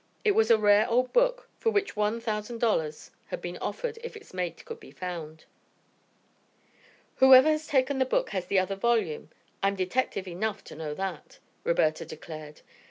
It was a rare old book for which one thousand dollars had been offered if its mate could be found. "Whoever has taken the book has the other volume. I'm detective enough to know that," Roberta declared.